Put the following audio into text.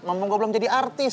mumpung gue belum jadi artis